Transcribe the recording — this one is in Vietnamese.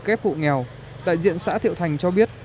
kép hộ nghèo tại diện xã thiệu thành cho biết